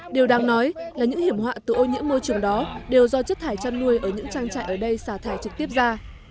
điều đáng nói là những hiểm họa từ ô nhiễm môi trường đó đều do chất thải chăn nuôi ở những trang trại ở đây xả thải trực tiếp ra